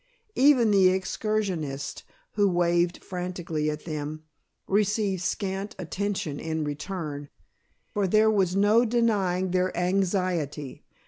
Even the excursionists, who waved frantically at them, received scant attention in return, for there was no denying their anxiety.